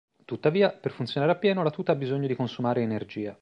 Tuttavia, per funzionare appieno la tuta ha bisogno di consumare energia.